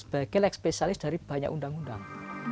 sebagai leg spesialis dari banyak undang undang